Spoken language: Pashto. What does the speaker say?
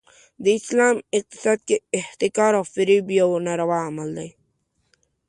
د اسلام اقتصاد کې احتکار او فریب یو ناروا عمل دی.